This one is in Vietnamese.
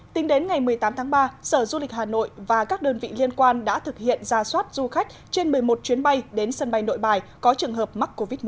tính đến ngày một mươi tám tháng ba sở du lịch hà nội và các đơn vị liên quan đã thực hiện ra soát du khách trên một mươi một chuyến bay đến sân bay nội bài có trường hợp mắc covid một mươi chín